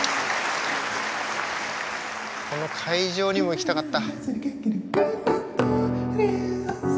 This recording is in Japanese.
この会場にも行きたかった。